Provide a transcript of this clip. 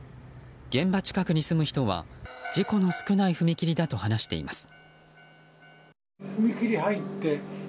現場近くに住む人は事故の少ない踏切だと話しています。